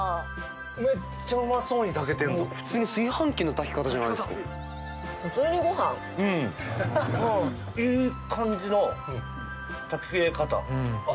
めっちゃうまそうに炊けてんぞ・普通に炊飯器の炊け方じゃないですかいい感じの炊け方ああ